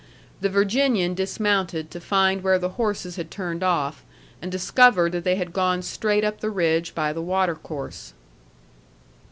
The Virginian dismounted to find where the horses had turned off, and discovered that they had gone straight up the ridge by the watercourse.